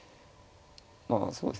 まあそうですね